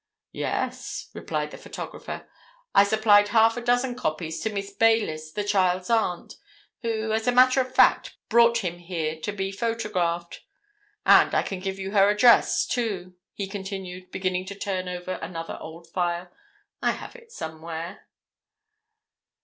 "Yes," replied the photographer. "I supplied half a dozen copies to Miss Baylis, the child's aunt, who, as a matter of fact, brought him here to be photographed. And I can give you her address, too," he continued, beginning to turn over another old file. "I have it somewhere."